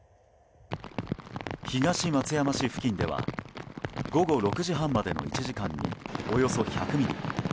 東松山市付近では午後６時半までの１時間におよそ１００ミリ。